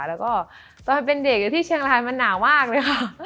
แล้วก็ตอนเป็นเด็กอยู่ที่เชียงรายมันหนาวมากเลยค่ะ